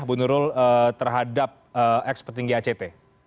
bu nurul terhadap ex petinggi act